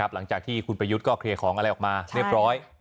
หลังจากที่คุณประยุทธ์ก็เคลียร์ของอะไรออกมาเรียบร้อย